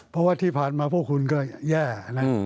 เพราะว่าที่ผ่านมาพวกคุณก็แย่นะ